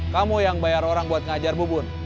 kamu yang bayar orang buat ngajar bubun